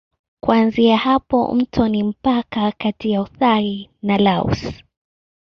Kuanzia hapa mto ni mpaka kati ya Uthai na Laos.